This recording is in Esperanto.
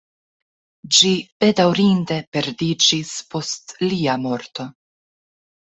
Ĝi bedaŭrinde perdiĝis post lia morto.